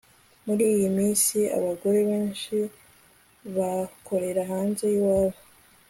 Muri iyi minsi abagore benshi bakorera hanze yiwabo